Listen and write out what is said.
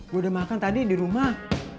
udah makan tadi di rumah